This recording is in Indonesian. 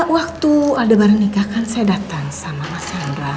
waktu aldebaran nikah kan saya datang sama mas chandra